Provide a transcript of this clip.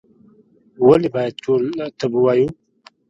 ولي باید ټول طب ووایو؟